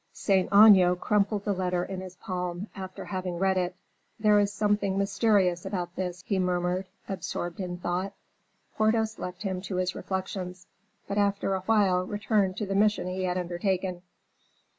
Saint Aignan crumpled the letter in his palm, after having read it. "There is something mysterious about this," he murmured, absorbed in thought. Porthos left him to his reflections; but after a while returned to the mission he had undertaken.